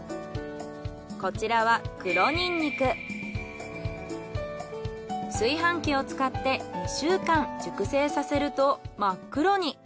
こちらは炊飯器を使って２週間熟成させると真っ黒に。